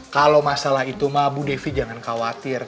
kalau masalah itu mah bu devi jangan khawatir